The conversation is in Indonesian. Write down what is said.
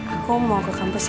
aku mau ke kampus